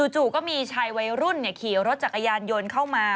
จู่ก็มีชายวัยรุ่นขี่รถจักรยานยนต์เข้ามา